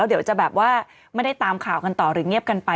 เดี๋ยวจะแบบว่าไม่ได้ตามข่าวกันต่อหรือเงียบกันไป